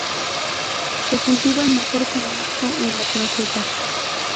Se cultivan mejor con musgo en las macetas.